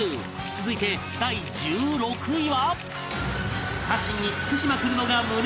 続いて第１６位は